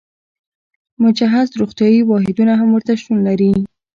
مجهز روغتیايي واحدونه هم ورته شتون لري.